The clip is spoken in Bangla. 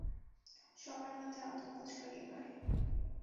সবার মধ্যে আতঙ্ক ছড়িয়ে পড়ে।